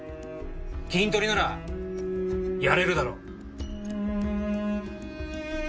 キントリならやれるだろ。